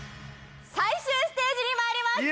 最終ステージに参ります！